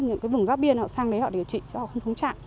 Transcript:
những vùng giáp biên họ sang đấy họ điều trị họ không xuống trạm